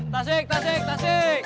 tasik tasik tasik